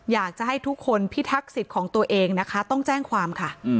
อยากจะให้ทุกคนพิทักษิตของตัวเองนะคะต้องแจ้งความค่ะ